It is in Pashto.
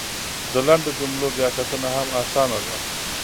د لنډو جملو بیا کتنه هم اسانه ده !